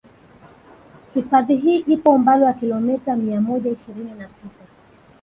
Hifadhi hii ipo umbali wa kilomita mia moja ishirini na sita